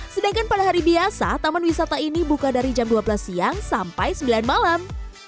sedangkan pada hari biasa taman wisata ini buka dari jam dua belas siang sampai sembilan malam